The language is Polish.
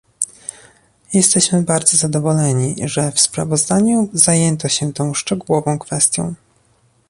Jesteśmy bardzo zadowoleni, że w sprawozdaniu zajęto się tą szczegółową kwestią